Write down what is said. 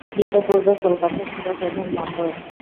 ইতিপূর্বে কলকাতা ছিল প্রধান বন্দর।